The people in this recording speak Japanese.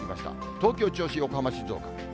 東京、銚子、横浜、静岡。